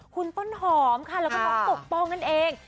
คุณต้นหอมค่ะแล้วก็น้องปกป้องนั่นเอง